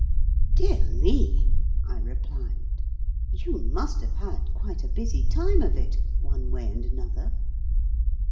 "Dear me!" I replied, "you must have had quite a busy time of it, one way and another."